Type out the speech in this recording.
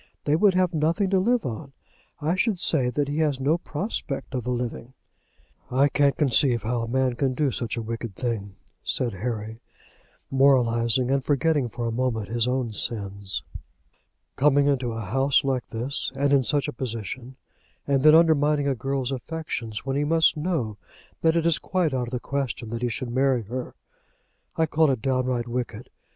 They would have nothing to live on. I should say that he has no prospect of a living." "I can't conceive how a man can do such a wicked thing," said Harry, moralizing, and forgetting for a moment his own sins. "Coming into a house like this, and in such a position, and then undermining a girl's affections, when he must know that it is quite out of the question that he should marry her! I call it downright wicked.